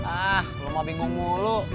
ah lo mau bingung mulu